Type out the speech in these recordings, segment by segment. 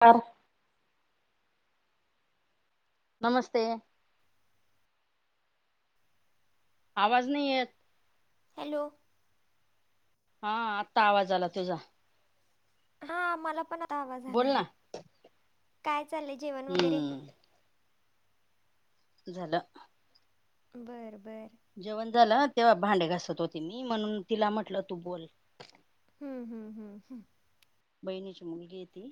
फार. नमस्ते. आवाज नाही येतं. हॅलो. हा. आत्ता आवाज आला तुझा. हा मला पण आता आवाज बोल आला. ना काय चाललंय जेवण वगैरे? हम्म झालं. बरं बरं. जेवण झालं. तेव्हा भांडे घासत होते मी. म्हणून तिला म्हटलं तू बोल. हम्म हम्म हम्म हम्. बहिणीची मुलगी आहे ती.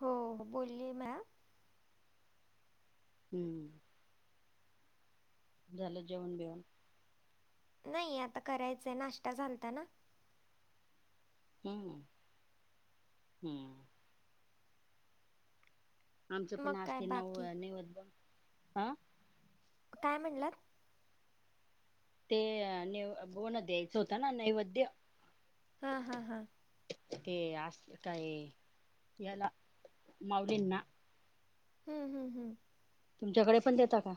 हो. बोली माया. [inaudible] झाल जेवण बिवन. नाही आता करायचं, नाष्टा झालता ना. हम्म हम्म. आमच्यात पण मग काय असते नऊ बाकी निवद दा. काय म्हणलात? ते निव भाऊला द्यायचा होता ना नैवैद्य. हा हा हा. ते असं काय आहे. याला मावडेल ना. हम्म हम्म हम्. तुमच्याकडे पण देता का?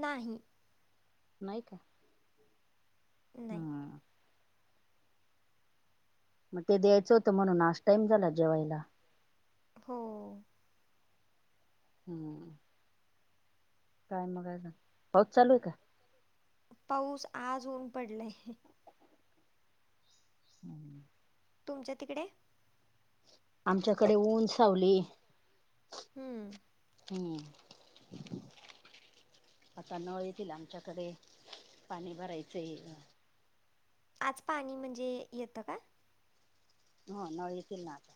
नाही. नाही. नाही. हम्म मग ते द्यायचं होत म्हणून आज टाईम झाला जेवायला. हो. हम्म. काय मग अजून? पाऊस चालू होता काय? पाऊस. आज ऊन पडलय. [inaudible] तुमच्यातिकडे? आमच्याकडे ऊन, सावली हम्म. हम्म. आता नळ येतील आमच्याकडे पाणी भरायचंय. आज पाणी म्हणजे येतं का? हो. नळ येतील ना आता.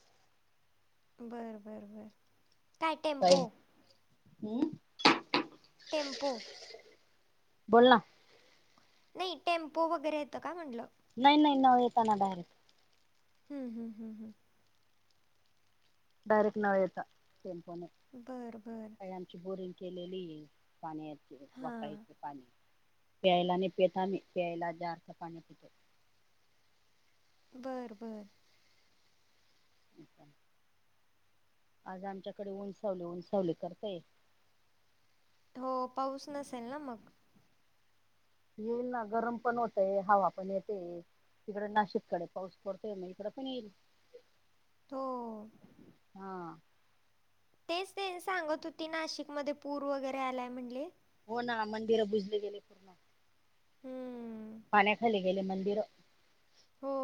बरं बर बर. काय टेम्पो हम्म. टेम्पु. बोल ना नई, टेम्पो वगैरे येतं का म्हणलं नाई नाई, नळ येतं ना डायरेक्ट हम्म हम्म हू डायरेक्ट नळ येतं, टेम्पोने बरं बरं ते आमची बोरिंग केलेली ए, पाणी येतं, हां वापरायचं पाणी प्यायला नाई प्येत आमी, प्यायला जारचं पाणी पितो. बर बर अच्छा आज आमच्याकडे ऊन सावली, ऊन सावली करतंय. हो, पाऊस नसेल ना मग येईल ना, गरम पण होतंय, हवा पण येतेए. तिकडं नाशिककडं पाऊस पडतोय, म इकडं पण येईल. हो.. हा. तेच ते सांगत होती, नाशिक मध्ये पूर वगैरे आलाय म्हणले हो ना, मंदिरं बुजले गेले पूर्ण हम्म पाण्याखाली गेले मंदिर हो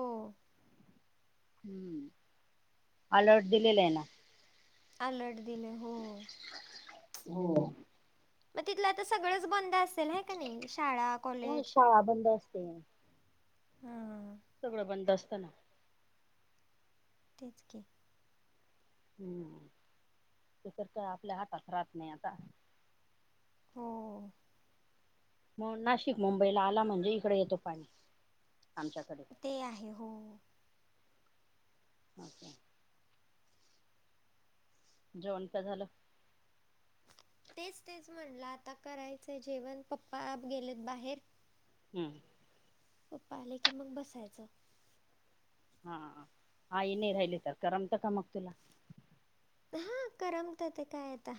हम्म, अलर्ट दिलेलं ए ना अलर्ट दिलंय हो हो. मग तिथलं आता सगळंच बंद असेल है की नई, शाळा, कॉलेज हा बंद असेल [inaudible] हां सगळं बंद असतं ना तेच की हम्म, ते तर काय आपल्या हाटात राहत नाई आता हो. मग नाशिक, मुंबईला आला म्हणजे इकडे येतो पाणी, आमच्याकडे ते आहे, हो. [unintelligible] जेवण काय झालं? तेच तेच, म्हणलं आता करायचंय जेवण, पप्पा गेलेत बाहेर हम्म. पप्पा आले की मग, बसायचं हा, आई नई राहिली का, करमतं का मग तुला? हा, करमतं तर काय आता.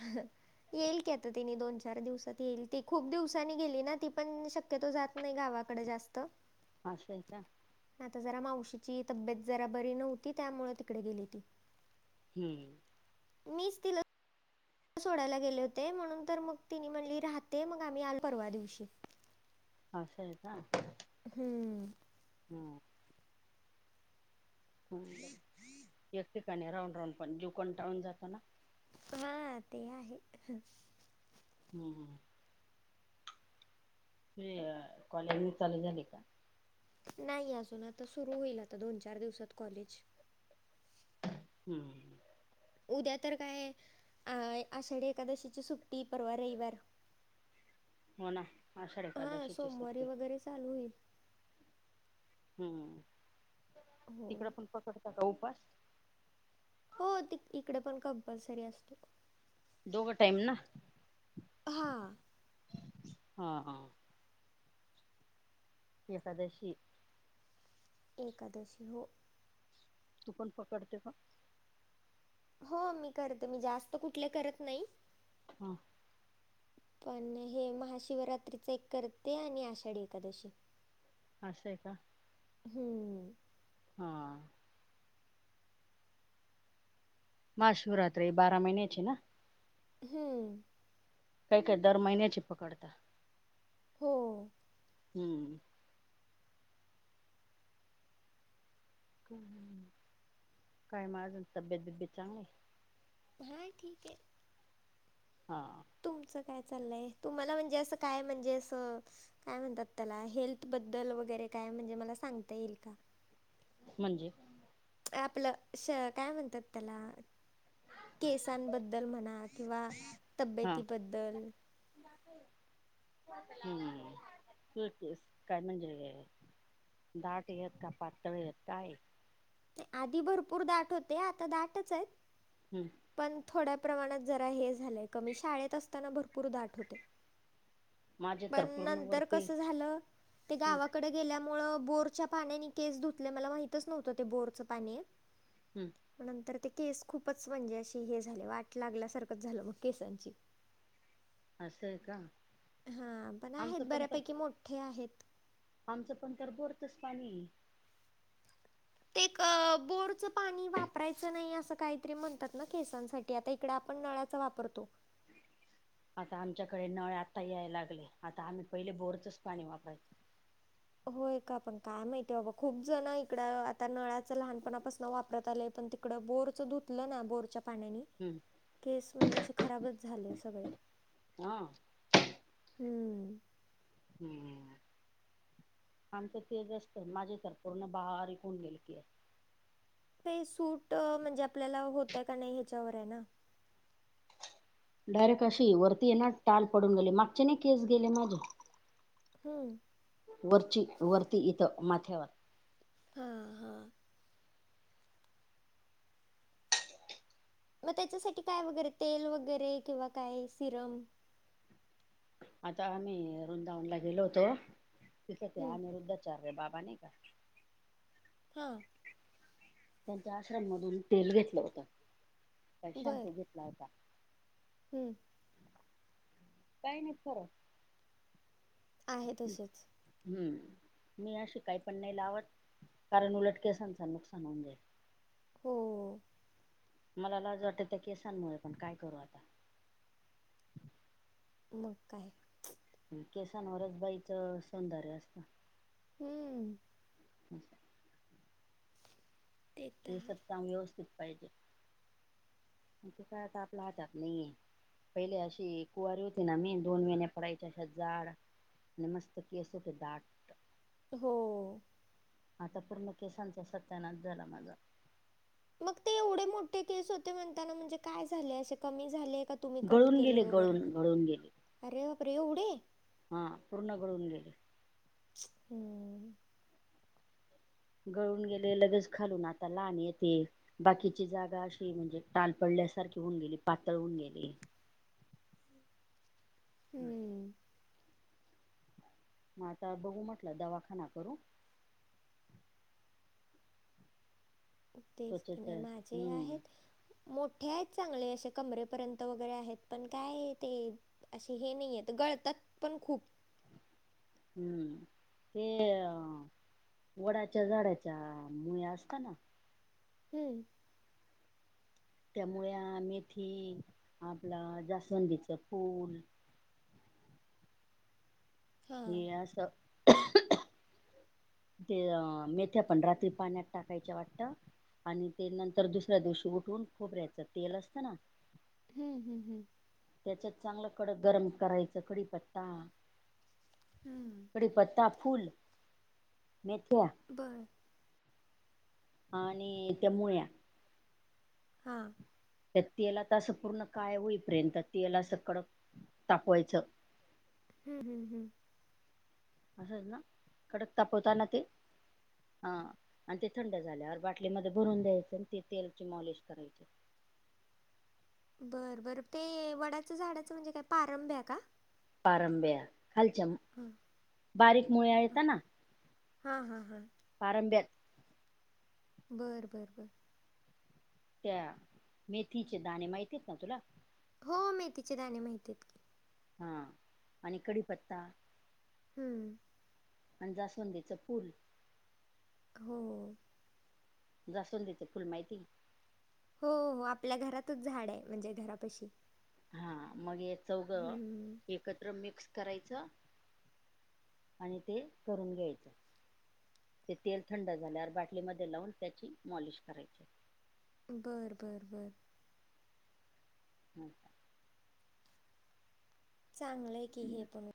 येईल की आता, तिनी दोन चार दिवसात येईल ती. खूप दिवसांनी गेली ना ती पण शक -क्यतो जात नाई गावाकडं जास्त आसं ए का? आता जरा मावशीची तब्येत, जरा बरी नव्हती त्यामुळे तिकडं गेली ती. हम्म मीच तिला सोडायला गेले होते म्हणून तर मग तिने म्हणली राहते मग आम्ही आलो परवा दिवशी आसं आहे का हम्म हम आणि काय एक ठिकाणी राहून राहून पण जीव कंटाळून जातो ना हा ते आहे हं हम् ते कॉलेज मग चालू झालय का नाही अजून आता सुरू होईल आता दोन चार दिवसात कॉलेज हम्म उद्या तर काय अ आषाढी एकादशीची सुट्टी परवा रविवार हो ना आषाढ एकादशीची सुट्टी परत चालू होईल हम्म हो. तिकडं पण पकडता का उपवास हो तिक इकडं पण कंपल्सरी असतो दोघं टाइम ना हा हा हा एकादशी एकादशी हो तू पण पकडते का हो मी करते मी जास्त कुठले करत नाही हा पण हे महाशिवरात्रीचं एक करते आणि आषाढी एकादशी असं आहे का हम्म हा महाशिवरात्री बारा महिन्याची ना हम्म काय काय दर महिन्याची पकडता हो हम्म हम हम हम काय मग अजून तब्येत बिब्येत चांगली आहे हाय ठीक आहे हा तुमचं काय चाललंय तुम्हाला म्हणजे असं काय म्हणजे असं काय म्हणतात त्याला हेल्थबद्दल वगैरे काय म्हणजे मला सांगता येईल का म्हणजे ते आपलं श काय म्हणतात त्याला केसांबद्दल म्हणा किंवा हा तब्येतीबद्दल हम्म हे केस काय म्हणजेल हे दाट येत की पातळ येत काय आहे आधी भरपूर दाट होते आता दाटच आहेत हम्म पण थोड्या प्रमाणात जरा हे झालंय कमी शाळेत असताना भरपूर दाट होते माझे तर पण पूर्ण नंतर वरती कस झाल ते हम्म गावाकड गेल्यामुळ बोरच्या पाण्याने केस धुतले मला माहितच नव्हत ते बोरच पाणी आहे. हम्म नंतर ते केस खूपच म्हणजे अशी हे झाले वाट लागल्यासारखच झाल मग केसांची. असय का. हा पण आमचं आहेत बऱ्यापैकी मोठे आहेत. आमच पण तर बोरचच पाणी आहे. ते एक बोरच पाणी वापरायच नाही अस काहीतरी म्हणतात ना केसांसाठी. आता इकड आपण नळाच वापरतो. आता आमच्याकडे नळ आता यायला लागले आता आम्ही पहिले बोरचच पाणी वापरायचो. होय का पण काय माहितीय आहे बाबा खूप जण इकड आता नळाच लहानपणापासून वापरत आलेय पण ते इकड बोरच धुतल ना बोरच्या पाण्यानी हम्म केस म्हणजे असे खराबच झाले सगळे. हा हम्म हम्म आमच तेच असत माझे तर पूर्ण बारीक होऊन गेले केस. ते सूट म्हणजे आपल्याला होतय का नाही ह्याच्यावर आहे ना. डायरेक्ट अशी वरती ये ना टाल पडून गेली मागचे नाही केस गेले माझे. हम्म वरची वरती इथ माथ्यावर. हां हां मग त्याच्यासाठी काय वगैरे तेल वगैरे किंवा काय सिरम. आता आम्ही वृंदावनला गेलो होतो तिथ ते हम्म अनिरुद्धाचे बाबा नाही का हां त्यांच्या आश्रम मधून तेल घेतल होत का बर शॅम्पू घेतला होता. हम्म काही नाहीत करत. आहे तसेच. हम्म मी अशी काही पण नाही लावत कारण उलट केसांच नुकसान होऊन जाईल. हो मला लाज वाटते त्या केसांमुळ पण काय करू आता. मग काय? केसांवरच बाईच सौंदर्य असत. हम्म [inaudible] ते तर हे आहे. सत्ताम व्यवस्थित पाहिजे ते काय आता आपल्या हातात नाहीये. पहिले अशी कुवारी होती ना मी दोन वेन्या पडायच्या अशा जाड. आणि मस्त केस होते दाट. हो आता पूर्ण केसांचा सत्यानाश झाला माझा. मग ते एवढे मोठे केस होते म्हणताना काय झाले असे कमी झाले का तुम्ही कट गळून केले गेले वगैरे गळून गळून अरे बापरे एवढे? हां पूर्ण गळून गेले. हम्म, गळून गेले लगेच खालून आता लहान येतील. बाकीची जागा अशी म्हणजे टाल पडल्यासारखी होऊन गेली, पातळ होऊन गेली. हा. हम्म. म आता बघू म्हटलं दवाखाना करू. तेच कि त्वचेच नाय माझे हम्म आहेत. मोठे आहेत चांगले असे कमरेपर्यंत वगैरे आहेत, पण काय ते असे हे नाहियेत, गळतात पण खूप. हम्म, ते अ वडाच्या झाडाच्या मूळ्या असताना हम्म! त्या मूळ्या, मेथी आपल जास्वंदीचं फूल हा ते असं खो -खो ते अ मेथ्या पण रात्री पाण्यात टाकायच्या वाटत. आणि ते नंतर दुसऱ्या दिवशी उठून खोबऱ्यायचं तेल असतं ना? हम्म, हम्म हम्. त्याच्यात चांगलं कडक गरम करायचं कढीपत्ता हम्म. कढीपत्ता, फुल मेथ्या बरं. आणि त्या मूळ्या. हा. त्या तेलात असं पूर्ण काळे हो हुईपर्यंत तेलं असं कडक तापवायचं. हम्म हम् हम्म. असंच ना कडक तापवताना ते हा, आणि ते थंड झाल्यावर बाटलीमध्ये भरून द्यायच, ते तेलंची मॉलिश करायची. बरं बरं ते वडाच झाडाचं म्हणजे काय पारंब्या का? पारंब्या खालच्या हा. बारीक मुळ्या येत ना? हा हा हा. पारंब्यात. बरं, बरं, बरं. त्या, मेथीचे दाणे माहिती आहेत ना तुला? हो, मेथीचे दाणे माहितीहेत कि. हा, आणि कढीपत्ता. हम्म. आणि जास्वंदीच फुल. हो. जास्वंदीचं फुल माहिती? हो हो आपल्या घरातच झाड हाय, म्हणजे घरापशी. हा मग ये चौघ हम्म एकत्र मिक्स करायचं आणि ते करून घ्यायचं. ते तेल थंड झाल्यावर बाटलीमध्ये लावून त्याची मॉलिश करायची. बर बर बर. हम्. चांगलय की हे पण.